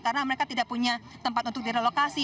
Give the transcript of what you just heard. karena mereka tidak punya tempat untuk direlokasi